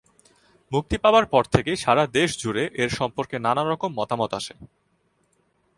মুক্তি পাবার পর থেকেই সারা দেশজুড়ে এর সম্পর্কে নানা রকম মতামত আসে।